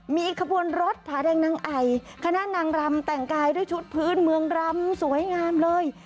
มีขบวนรถผาแดงนางไอคณะนางรำแต่งกายด้วยชุดพื้นเมืองรำสวยงามเลย